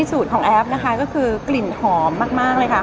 สูตรของแอฟนะคะก็คือกลิ่นหอมมากเลยค่ะ